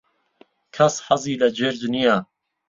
کەس حەزی لە جرج نییە.